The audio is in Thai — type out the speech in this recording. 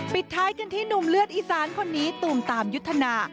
ปิดท้ายกันที่หนุ่มเลือดอีสานคนนี้ตูมตามยุทธนา